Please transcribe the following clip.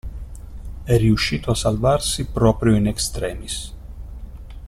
È riuscito a salvarsi proprio in extremis.